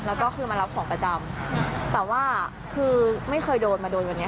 แล้วก็คือมารับของประจำแต่ว่าคือไม่เคยโดนมาโดนวันนี้